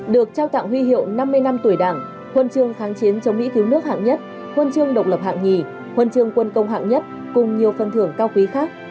được trao tặng huy hiệu năm mươi năm tuổi đảng huân chương kháng chiến chống mỹ cứu nước hạng nhất huân chương độc lập hạng nhì huân chương quân công hạng nhất cùng nhiều phần thưởng cao quý khác